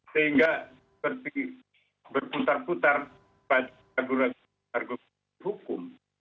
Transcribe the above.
sehingga seperti berputar putar pada argumentasi hukum